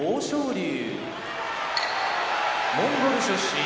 龍モンゴル出身